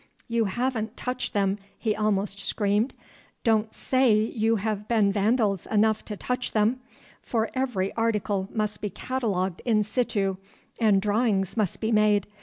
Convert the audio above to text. "You haven't touched them," he almost screamed; "don't say you have been vandals enough to touch them, for every article must be catalogued in situ and drawings must be made.